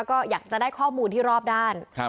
ก็อยากจะได้ข้อมูลที่รอบด้าน